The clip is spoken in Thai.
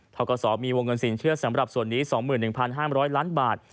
ทกศมีวงเงินสินเชื่อสำหรับส่วนนี้๒๑๕๐๐ล้านบาท